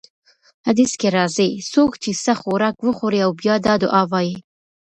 حديث کي راځي: څوک چې څه خوراک وخوري او بيا دا دعاء ووايي: